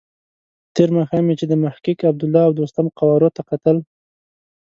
تېر ماښام مې چې د محقق، عبدالله او دوستم قوارو ته کتل.